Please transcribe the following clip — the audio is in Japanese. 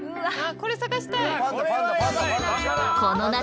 これ探したい！